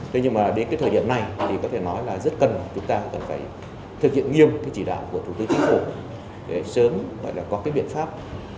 thế nhưng mà đến cái thời điểm này thì có thể nói là rất cần chúng ta cần phải thực hiện nghiêm cái chỉ đạo của thủ tướng chính phủ để sớm gọi là có cái biện pháp